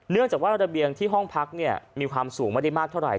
เนื่องจากว่าระเบียงที่ห้องพักมีความสูงไม่ได้มากเท่าไห